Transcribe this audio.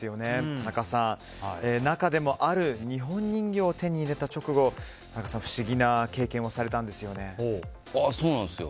田中さんは、中でもある日本人形を手に入れたあと不思議な経験をされたんですよね。